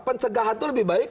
pencegahan itu lebih baik